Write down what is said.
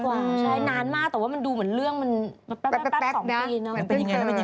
ใช่นานมากแต่ว่ามันดูเหมือนเรื่องมันแป๊บสองปี